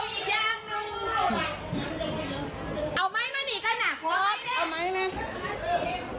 พวกเจ้ามันใกล้แสนหาแสนสิ